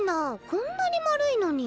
こんなに丸いのに。